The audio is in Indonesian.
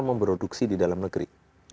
memproduksi di dalam negeri